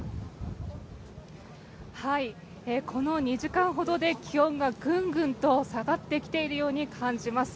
この２時間ほどで気温がぐんぐんと下がってきているように感じます。